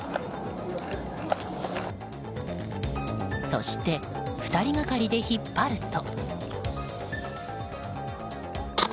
そして、２人がかりで引っ張ると。